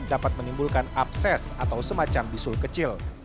dapat menimbulkan abses atau semacam bisul kecil